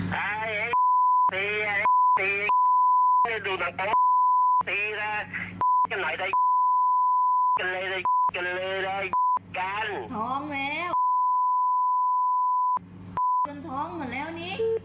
กันเลยได้กัน